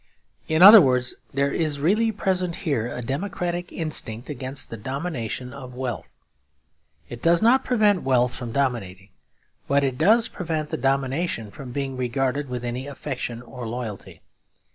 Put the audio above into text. In other words, there is really present here a democratic instinct against the domination of wealth. It does not prevent wealth from dominating; but it does prevent the domination from being regarded with any affection or loyalty.